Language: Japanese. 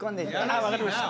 あ分かりました。